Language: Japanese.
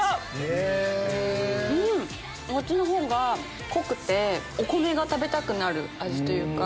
こっちのほうが濃くてお米が食べたくなる味というか。